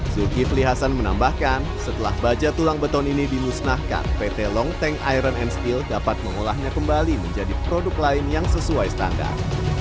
zulkifli hasan menambahkan setelah baja tulang beton ini dimusnahkan pt long tank iron and skill dapat mengolahnya kembali menjadi produk lain yang sesuai standar